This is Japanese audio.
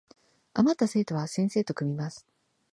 あまった生徒は先生と組みます